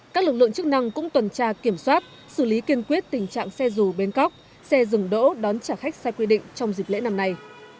các lực lượng chức năng cũng tuần tra kiểm soát xử lý kiên quyết tình trạng xe dù bến cóc xe dừng đỗ đón trả khách sai quy định trong dịp lễ năm nay